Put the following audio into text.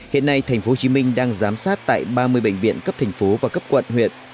hiện nay tp hcm đang giám sát tại ba mươi bệnh viện cấp thành phố và cấp quận huyện